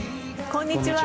こんにちは。